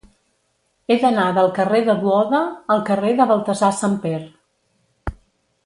He d'anar del carrer de Duoda al carrer de Baltasar Samper.